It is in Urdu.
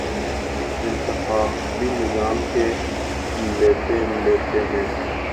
انتخابی نظام کے لتے لیتے ہیں